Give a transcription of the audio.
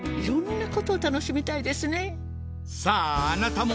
さああなたも！